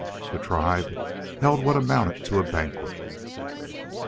The tribe held what amounted to a banquet.